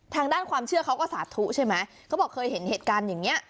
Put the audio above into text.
ทางด้านความเชื่อเขาก็สาธุใช่ไหมเขาบอกเคยเห็นเหตุการณ์อย่างนี้